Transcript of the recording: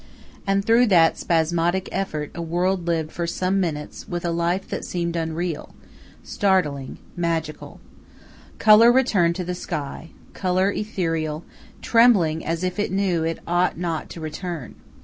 And through that spasmodic effort a world lived for some minutes with a life that seemed unreal, startling, magical. Color returned to the sky color ethereal, trembling as if it knew it ought not to return.